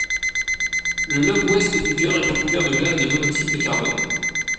Le lobe ouest du cœur est recouvert de glace de monoxyde de carbone.